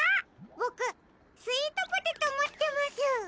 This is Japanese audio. ボクスイートポテトもってます。